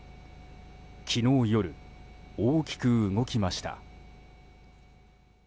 昨日夜、大きく動きました。